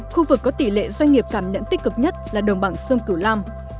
khu vực có tỷ lệ doanh nghiệp cảm nhận tích cực nhất là đồng bằng sông cửu long